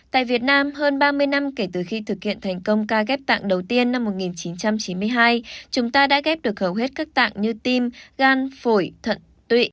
tại việt nam hơn ba mươi năm kể từ khi thực hiện thành công ca ghép tạng đầu tiên năm một nghìn chín trăm chín mươi hai chúng ta đã ghép được hầu hết các tạng như tim gan phổi thận tụy